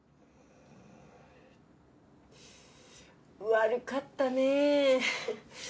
悪かったねえ。